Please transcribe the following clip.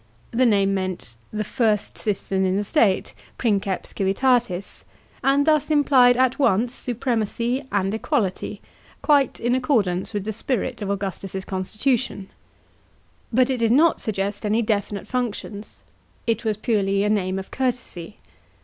The name meant "the first citizen in the state" — princeps civitatis — and thus implied at once supremacy and equality, quite in accordance with the spirit of Augustus' constitution; but did not suggest any definite functions. It was purely a name of courtesy.